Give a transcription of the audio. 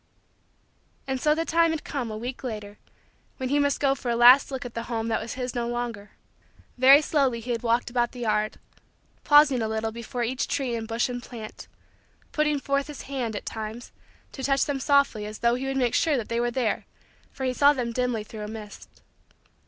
And so the time had come, a week later, when he must go for a last look at the home that was his no longer. Very slowly he had walked about the yard; pausing a little before each tree and bush and plant; putting forth his hand, at times, to touch them softly as though he would make sure that they were there for he saw them dimly through a mist.